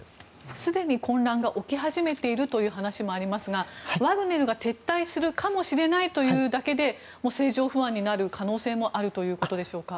すでに混乱が起き始めているという話もありますがワグネルが撤退するかもしれないというだけで政情不安になる可能性もあるということでしょうか。